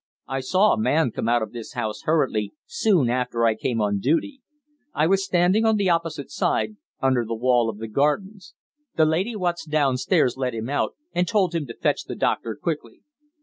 "I saw a man come out of this house hurriedly, soon after I came on duty. I was standing on the opposite side, under the wall of the Gardens. The lady what's downstairs let him out and told him to fetch the doctor quickly."